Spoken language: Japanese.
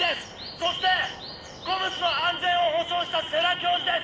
そしてＣＯＭＳの安全を保障した世良教授です！